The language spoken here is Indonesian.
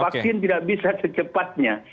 vaksin tidak bisa secepatnya